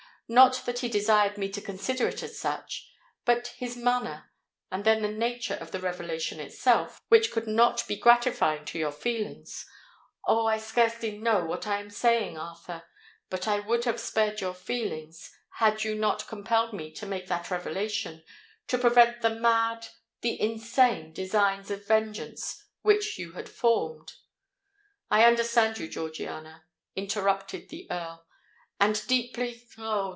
"Not that he desired me to consider it as such: but his manner—and then the nature of the revelation itself, which could not be gratifying to your feelings—oh! I scarcely know what I am saying, Arthur—but I would have spared your feelings, had you not compelled me to make that revelation, to prevent the mad—the insane designs of vengeance which you had formed——" "I understand you, Georgiana," interrupted the Earl: "and deeply—oh!